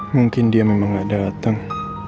mungkin dia memang gak datang